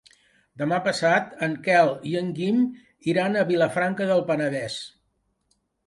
Demà passat en Quel i en Guim iran a Vilafranca del Penedès.